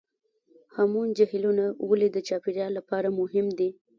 هامون جهیلونه ولې د چاپیریال لپاره مهم دي؟